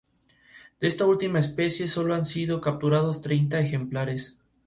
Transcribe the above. Al finalizar esto, Eddie atacó a Dreamer cambiando a "heel".